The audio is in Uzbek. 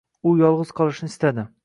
U yolg`iz qolishni istadi